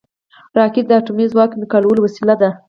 راکټ د اټومي ځواک انتقالولو وسیله ده